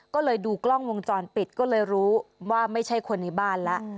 ก็เลยดูกล้องวงจรปิดก็เลยรู้ว่าไม่ใช่คนในบ้านแล้ว